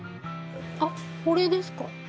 あこれですか？